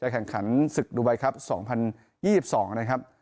แข่งขันสรุปสรุปดุบัตรส่งหนึ่ง๒๒นะครับ